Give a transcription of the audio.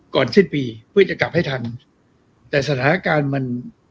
สิ้นปีเพื่อจะกลับให้ทันแต่สถานการณ์มัน